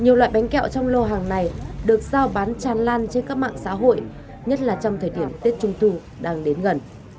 nhiều loại bánh kẹo trong lô hàng này được giao bán tràn lan trên các mạng xã hội nhất là trong thời điểm tết trung thu đang đến gần